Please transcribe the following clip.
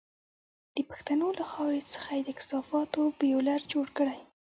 د پښتنو له خاورې څخه یې د کثافاتو بيولر جوړ کړی.